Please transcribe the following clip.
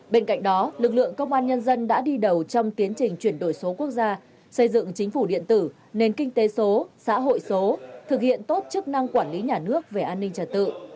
bên cạnh đó lực lượng công an nhân dân đã đi đầu trong tiến trình chuyển đổi số quốc gia xây dựng chính phủ điện tử nền kinh tế số xã hội số thực hiện tốt chức năng quản lý nhà nước về an ninh trật tự